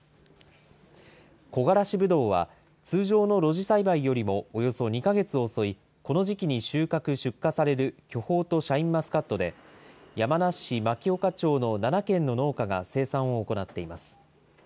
こがらしぶどうは、通常の露地栽培よりもおよそ２か月遅いこの時期に収穫・出荷される巨峰とシャインマスカットで、山梨市牧丘町の７軒の農家が生産を行っています。